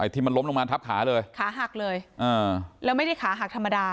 ที่มันล้มลงมาทับขาเลยขาหักเลยแล้วไม่ได้ขาหักธรรมดา